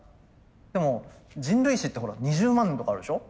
でも人類史ってほら２０万年とかあるでしょ。